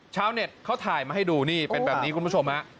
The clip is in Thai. ชาวเน็ตเขาถ่ายมาให้ดูนี่เป็นแบบนี้คุณผู้ชมฮะ